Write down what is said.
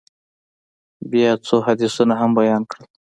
بيا يې څو حديثونه هم بيان کړل.